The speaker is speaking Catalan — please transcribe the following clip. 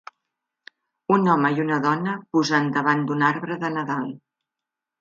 Un home i una dona posant davant d'un arbre de Nadal.